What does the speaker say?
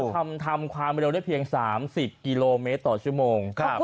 ทำค่าบริโรนด้วยเพียง๓๐กิโลเมตรต่อชั่วโมง